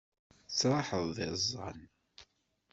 Tettraḥeḍ d iẓẓan.